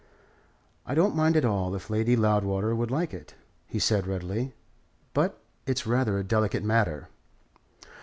"I don't mind at all if Lady Loudwater would like it," he said readily. "But it's rather a delicate matter."